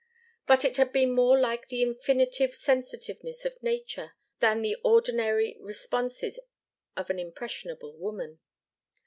But it had been more like the infinitive sensitiveness of nature than the ordinary responses of an impressionable woman.